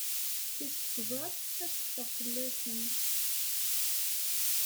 Tis tẓat ad teffeɣ fell-asen.